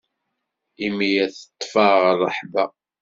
Imir teṭṭef-aɣ rrehba.